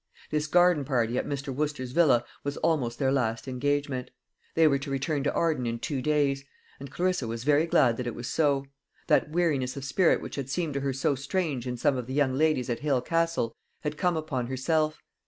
This garden party at Mr. Wooster's villa was almost their last engagement. They were to return to Arden in two days; and Clarissa was very glad that it was so. That weariness of spirit which had seemed to her so strange in some of the young ladies at Hale Castle had come upon herself.